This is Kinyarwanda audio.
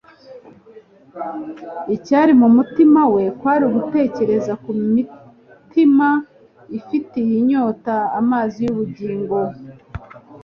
Icyari mu mutima we kwari ugutekereza ku mitima ifitiye inyota amazi y'ubugingo.